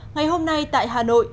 ngày hôm nay tại hà nội